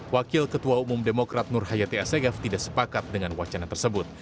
wakil ketua umum demokrat nur hayati asegaf tidak sepakat dengan wacana tersebut